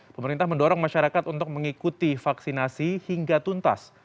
pemerintah mendorong masyarakat untuk mengikuti vaksinasi hingga tuntas